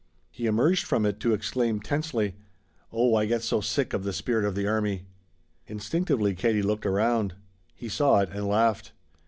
He emerged from it to exclaim tensely: "Oh I get so sick of the spirit of the army!" Instinctively Katie looked around. He saw it, and laughed.